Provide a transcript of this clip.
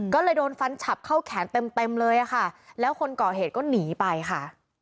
ก็เลยโดนฟันฉับเข้าแขนเต็มเต็มเลยอะค่ะแล้วคนก่อเหตุก็หนีไปค่ะ